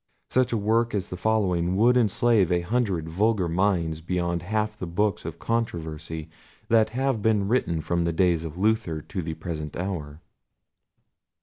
Such a work as the following would enslave a hundred vulgar minds beyond half the books of controversy that have been written from the days of Luther to the present hour.